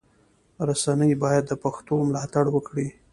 رسنی باید د پښتو ملاتړ وکړي.